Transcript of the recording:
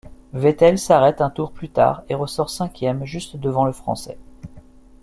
Vettel s'arrête un tour plus tard et ressort cinquième, juste devant le Français.